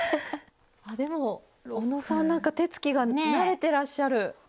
でもおのさんなんか手つきが慣れてらっしゃる。